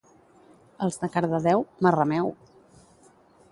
Els de Cardedeu, Marrameu!